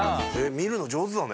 見るの上手だね。